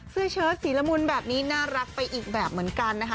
เชิดสีละมุนแบบนี้น่ารักไปอีกแบบเหมือนกันนะคะ